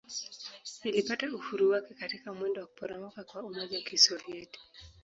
Ilipata uhuru wake katika mwendo wa kuporomoka kwa Umoja wa Kisovyeti.